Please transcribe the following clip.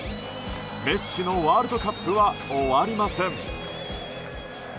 メッシのワールドカップは終わりません。